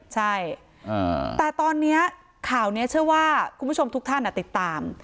ใช่แต่ตอนนี้ข่าวนี้เชื่อว่าคุณผู้ชมทุกท่านติดตาม